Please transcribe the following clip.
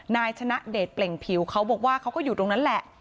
นายชนะเดชเปล่งผิวเขาบอกว่าเขาก็อยู่ตรงนั้นแหละ